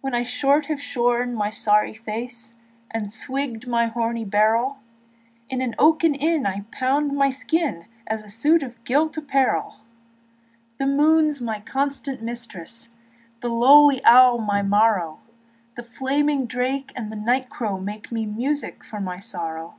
When I short have shorn my sow's face And swigged my horny barrel, In an oaken inn I pound my skin As a suit of gilt apparel; The moon's my constant mistress, And the lowly owl my marrow; The flaming drake and the night crow make Me music to my sorrow.